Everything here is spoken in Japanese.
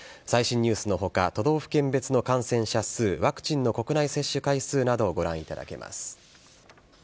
最新ニュースのほか、都道府県別の感染者数、ワクチンの国内接種回数などをご覧いただけます。